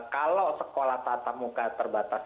kalau sekolah tatap muka terbatas di daerah ini